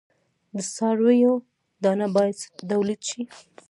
د څارویو دانه باید تولید شي.